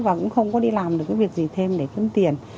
và cũng không có đi làm được cái việc gì thêm để kiếm tiền